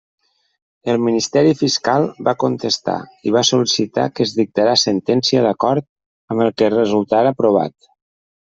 El Ministeri Fiscal va contestar i va sol·licitar que es dictara sentència d'acord amb el que resultara provat.